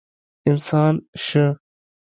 انسان شه!